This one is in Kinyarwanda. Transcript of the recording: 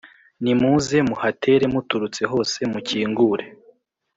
Nimuze muhatere muturutse hose mukingure